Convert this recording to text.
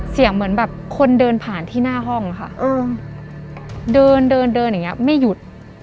เสียงเหมือนแบบคนเดินผ่านที่หน้าห้องค่ะเดินเดินเดินอย่างเงี้ไม่หยุด